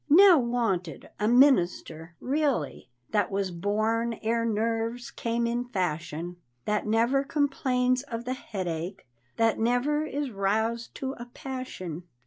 _ Now, "wanted, a minister," really, "That was born ere nerves came in fashion," That never complains of the "headache," That never is roused to a passion.